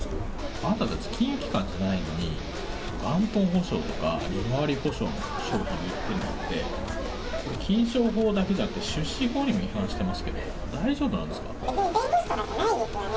あなたたち金融機関じゃないのに、元本保証とか利回り保証の商品売ってるのって、これ金商法だけじゃなくて、出資法にも違反してますけど、大丈夫別に弁護士とかじゃないですよね。